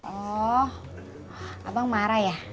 oh abang marah ya